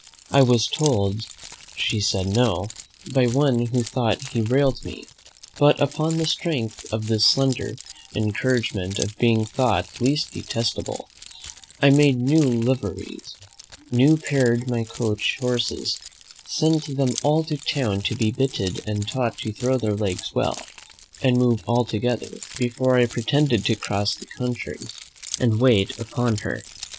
I was told she said so, by one who thought he rallied me; but upon the strength of this slender encouragement of being thought least detestable, I made new liveries, new pair'd my coach horses, sent them all to town to be bitted and taught to throw their legs well, and move all together, before I pretended to cross the country, and wait upon her.